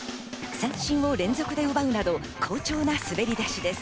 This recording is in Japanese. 三振を連続で奪うなど好調な滑り出しです。